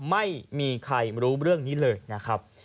ไม่มีใครรู้เรื่องนี้เลยนะครับ